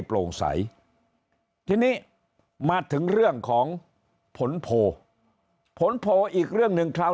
โปร่งใสทีนี้มาถึงเรื่องของผลโพลผลโพลอีกเรื่องหนึ่งคราว